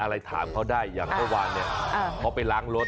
อะไรถามเขาได้อย่างเมื่อวานเนี่ยเขาไปล้างรถ